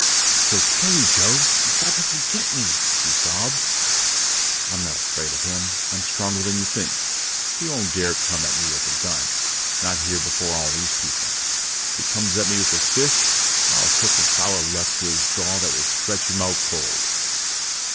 "He'll kill you, Joe! You've got to forget me!" she sobbed. "I'm not afraid of him. I'm stronger than you think. He won't dare come at me with a gun, not here before all these people. If he comes at me with his fists I'll hook a solid left to his jaw that will stretch him out cold!"